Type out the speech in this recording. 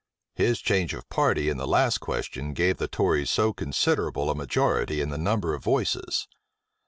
His change of party in the last question gave the tories so considerable a majority in the number of voices.